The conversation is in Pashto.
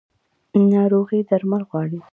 ناروغي درمل غواړي